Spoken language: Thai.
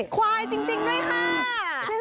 ควายจริงด้วยค่ะ